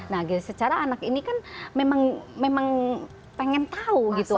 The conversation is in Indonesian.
nah secara anak ini kan memang pengen tahu gitu